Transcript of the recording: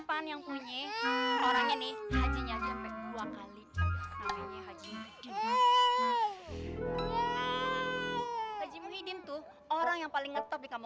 panjang punya orang ini aja sampai dua kali haji haji itu orang yang paling ngetop kamu